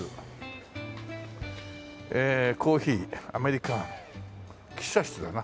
「コーヒー」「アメリカーノ」喫茶室だな。